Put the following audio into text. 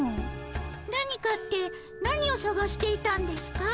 何かって何をさがしていたんですか？